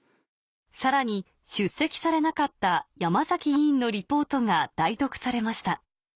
さらに出席されなかった山崎委員のリポートが代読されました